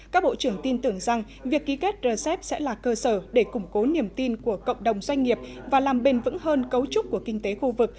các bộ trưởng tin tưởng rằng việc ký kết rcep sẽ là cơ sở để củng cố niềm tin của cộng đồng doanh nghiệp và làm bền vững hơn cấu trúc của kinh tế khu vực